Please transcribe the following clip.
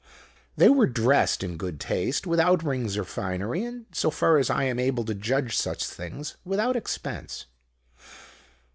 They were dressed in good taste, without rings or finery, and, so far as I am able to judge such things, without expense.